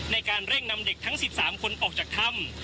ในการเร่งนำเด็กทั้ง๑๓คนออกจากถ้ำ